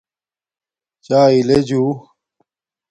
چاݵے لے جُو